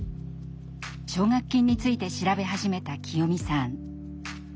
奨学金について調べ始めたきよみさん。